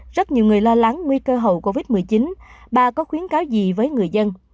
rất nhiều người lo lắng nguy cơ hậu covid một mươi chín bà có khuyến cáo gì với người dân